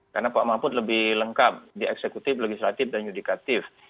karena pak mahfud lebih lengkap di eksekutif legislatif dan yudikatif